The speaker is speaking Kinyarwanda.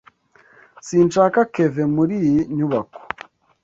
Sinshaka Kevin muri iyi nyubako.